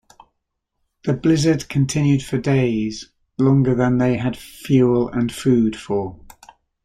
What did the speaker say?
The blizzard continued for days, longer than they had fuel and food for.